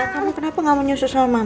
kamu kenapa gak mau nyusuk sama mama sayang